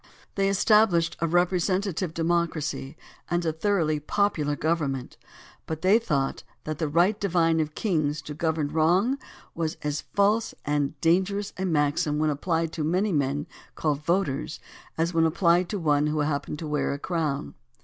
They established a represent ative democracy and a thoroughly popular govern ment, but they thought that the "right divine of kings to govern wrong" was as false and dangerous a maxim when applied to many men called voters as when applied to one who happened to wear a crown.